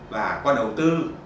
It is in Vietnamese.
và có đầu tư